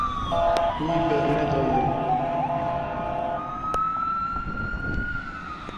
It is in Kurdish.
Wî bernedaye.